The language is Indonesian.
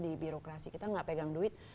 biar birokrasi kita gak pegang duit